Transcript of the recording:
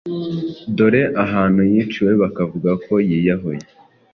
Dore ahantu yiciwe bakavuga ko yiyahuye.